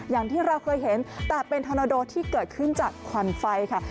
อย่างที่เราเคยเห็นแต่เป็นธนโดที่เกิดขึ้นจากควันไฟค่ะ